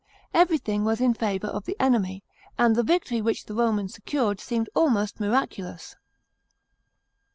Everything was in favour of the enemy, and the victory which the Romans secured seemed almost miraculous.